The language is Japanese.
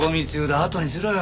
あとにしろよ。